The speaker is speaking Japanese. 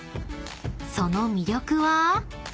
［その魅力は？］